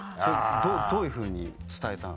どういうふうに伝えたの？